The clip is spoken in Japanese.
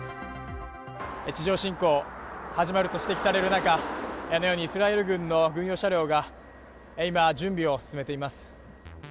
地上侵攻が始まると指摘される中、あのようにイスラエル軍の軍用車両が今、準備を進めています。